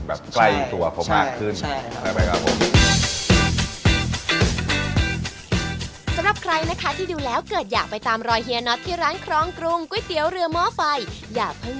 ใกล้ตัวเขามากขึ้น